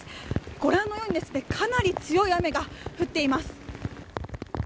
ご覧のようにかなり強い雨が降っています。